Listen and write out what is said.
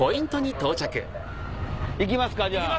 行きますかじゃあ。